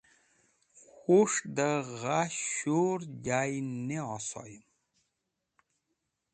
Wũs̃h dẽ gha shur jay ne osoyẽm